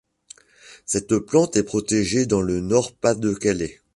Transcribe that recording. Cette plante est protégée dans le Nord-Pas-de-Calais.